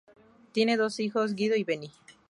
Tienen dos hijos, Guido y Benny.